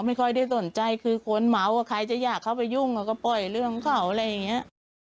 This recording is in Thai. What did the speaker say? ไม่ค่อยได้สนใจคือคนเหมาใครจะอยากเข้าไปยุ่งเขาก็ปล่อยเรื่องเขาอะไรอย่างนี้